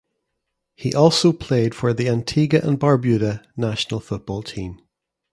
He also played for the Antigua and Barbuda national football team.